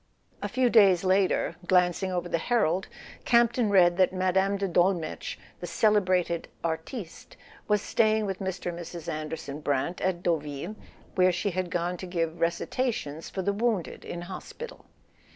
A few days later, glancing over the Herald , Campton read that Mme. de Dolmetsch, "the celebrated artiste ," was staying with Mr. and Mrs. Anderson Brant at Deauville, where she had gone to give recitations for the wounded in hospital.